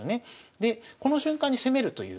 でこの瞬間に攻めるという。